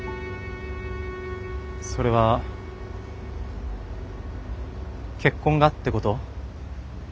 それは結婚がってこと？